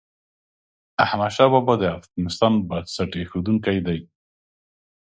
احمد شاه بابا د افغانستان بنسټ ایښودونکی ده.